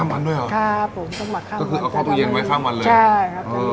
วันด้วยเหรอครับผมต้องหมักข้ามก็คือเอาข้าวตู้เย็นไว้ข้ามวันเลยใช่ครับเออ